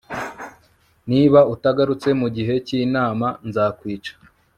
niba utagarutse mugihe cyinama, nzakwica